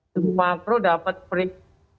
semua pro dapat perik